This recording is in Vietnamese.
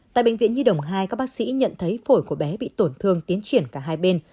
tại bệnh viện nhi đồng hai các bác sĩ nhận thấy phổi của bé bị tổn thương tiến triển cả hai bên